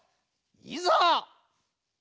いざ！